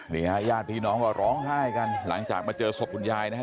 ญาติพี่น้องก็ร้องไห้กันหลังจากมาเจอศพคุณยายนะฮะ